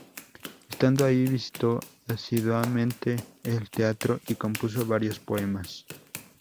Estando ahí visitó asiduamente el teatro y compuso varios poemas.